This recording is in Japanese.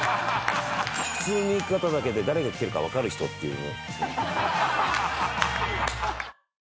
靴の脱ぎ方だけで誰が来てるか分かる人っていう。